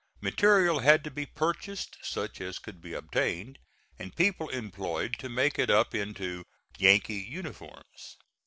Material had to be purchased, such as could be obtained, and people employed to make it up into "Yankee uniforms."